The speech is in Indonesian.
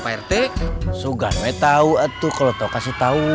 pak rt sugar me tahu itu kalau kau kasih tahu